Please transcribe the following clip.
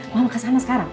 mama kesana sekarang